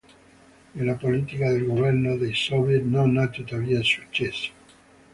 Nella politica del governo dei soviet non ha tuttavia successo.